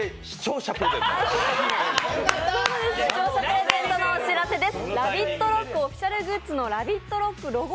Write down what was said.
視聴者プレゼントのお知らせです。